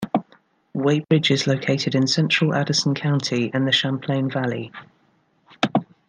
Weybridge is located in central Addison County in the Champlain Valley.